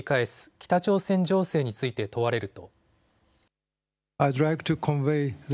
北朝鮮情勢について問われると。